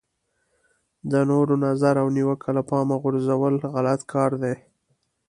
د نورو نظر او نیوکه له پامه غورځول غلط کار دی.